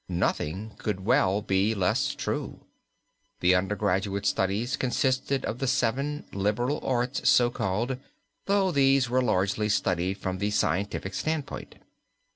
Nothing could well be less true. The undergraduate studies consisted of the seven liberal arts so called, though these were largely studied from the scientific standpoint.